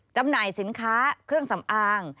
จำหน่ายสินค้าเครื่องสำอาง